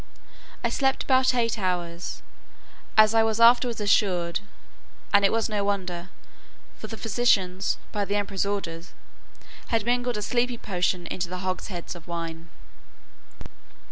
I slept about eight hours, as I was afterwards assured; and it was no wonder, for the physicians, by the emperor's order, had mingled a sleepy potion in the hogsheads of wine.